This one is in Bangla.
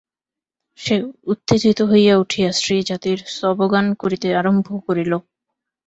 সে উত্তেজিত হইয়া উঠিয়া স্ত্রীজাতির স্তবগান করিতে আরম্ভ করিল।